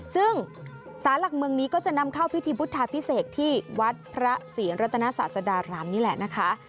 ซึ่งสารหลักเมืองนี้ก็จะนำเข้าพิธีพุทธาพิเศษที่วัดพระศรีรัตนศาสดารามนี่แหละนะคะ